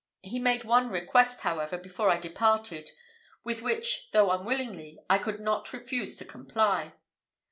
He made one request, however, before I departed, with which, though unwillingly, I could not refuse to comply.